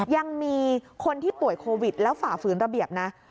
ยังมีคนที่ป่วยโควิดแล้วฝ่าฝืนระเบียบนะ